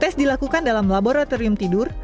tes dilakukan dalam laboratorium tidur